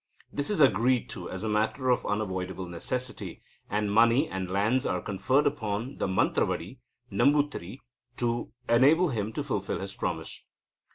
This is agreed to as a matter of unavoidable necessity, and money and lands are conferred upon the mantravadi Nambutiri to enable him to fulfil his promise."